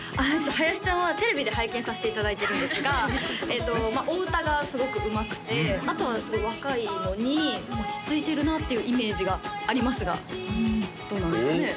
林ちゃんはテレビで拝見させていただいてるんですがお歌がすごくうまくてあとはすごい若いのに落ち着いてるなっていうイメージがありますがどうなんですかね